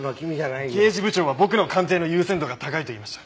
刑事部長は僕の鑑定の優先度が高いと言いました。